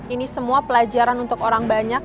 ini semua pelajaran untuk orang banyak